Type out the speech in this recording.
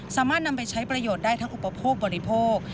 สามารถนำไปใช้ประโยชน์ได้ทั้งอุปโภคบริโภค